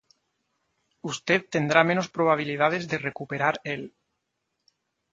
usted tendrá menos probabilidades de recuperar el